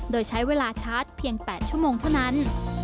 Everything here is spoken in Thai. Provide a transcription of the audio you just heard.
โดยใช้เวลาชาร์จเพียง๘ชั่วโมงเท่านั้น